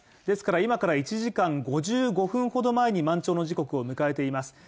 ですから今から１時間５５分ほど前に満潮の時刻を迎えています。